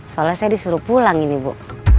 soalnya saya disuruh pulang ini bu